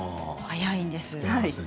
早いです。